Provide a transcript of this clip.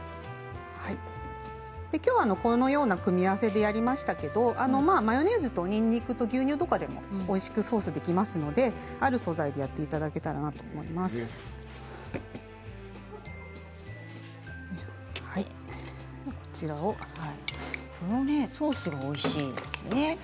きょうはこのような組み合わせでやりましたけれどマヨネーズとにんにくと牛乳とかでも、おいしくソースできますので、ある素材でこのソースがおいしいですよね。